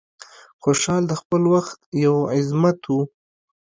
خوشحال د خپل وخت یو عظمت و.